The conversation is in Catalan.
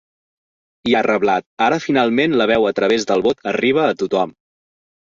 I ha reblat: Ara finalment la veu a través del vot arriba a tothom.